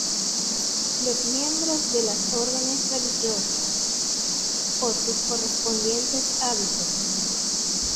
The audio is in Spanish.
Los miembros de las órdenes religiosas, por sus correspondientes hábitos.